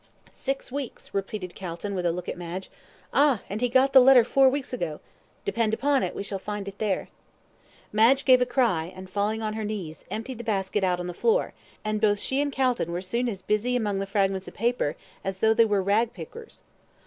"Six weeks," repeated Calton, with a look at Madge. "Ah, and he got the letter four weeks ago. Depend upon it, we shall find it there." Madge gave a cry, and falling on her knees, emptied the basket out on the floor, and both she and Calton were soon as busy among the fragments of paper as though they were rag pickers.